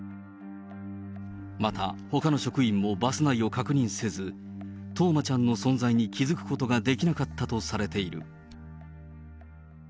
また、ほかの職員もバス内を確認せず、冬生ちゃんの存在に気付くことができなかったとされている。